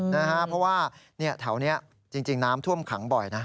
เพราะว่าแถวนี้จริงน้ำท่วมขังบ่อยนะ